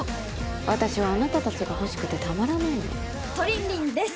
私はあなた達が欲しくてたまらないのトリンリンです